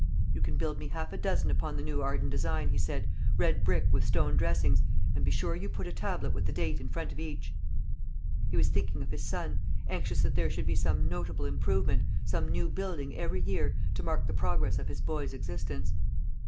"You can build me half a dozen upon the new Arden design," he said; "red brick, with stone dressings; and be sure you put a tablet with the date in front of each." He was thinking of his son, anxious that there should be some notable improvement, some new building every year, to mark the progress of his boy's existence.